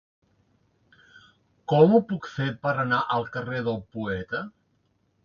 Com ho puc fer per anar al carrer del Poeta?